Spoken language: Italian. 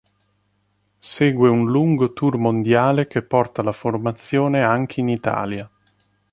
Segue un lungo tour mondiale che porta la formazione anche in Italia.